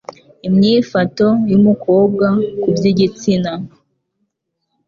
imyifato y'umukobwa ku byigitsina